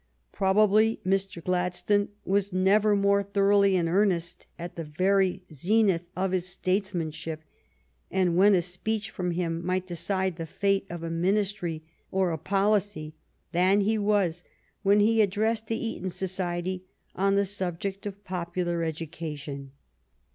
Probably Mr. Glad stone was never more thoroughly in earnest at the very zenith of his statesmanship, and when a speech from him might decide the fate of a min istry or a policy, than he was when he addressed the Eton Society on the subject of popular educa tion.